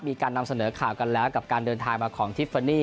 มีการนำเสนอข่าวกันแล้วกับการเดินทางมาของทิฟฟานี